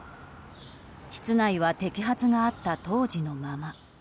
室内は摘発があった当時のまま。